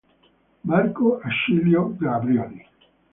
Marco Acilio Glabrione